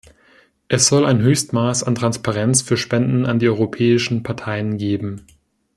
Es soll ein Höchstmaß an Transparenz für Spenden an die europäischen Parteien geben.